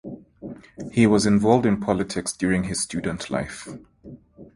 He was involved in politics during his student life.